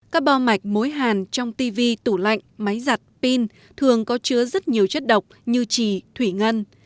các bo mạch mối hàn trong tv tủ lạnh máy giặt pin thường có chứa rất nhiều chất độc như trì thủy ngân